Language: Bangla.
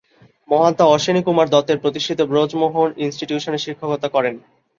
মহাত্মা অশ্বিনী কুমার দত্তের প্রতিষ্ঠিত ব্রজমোহন ইনস্টিটিউশনে শিক্ষকতা করেন।